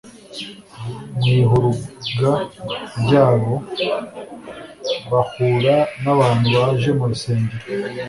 Mu ihuruga ryabo bahura n'abantu baje mu rusengero